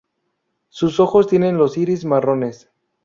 Sus ojos tienen los iris marrones.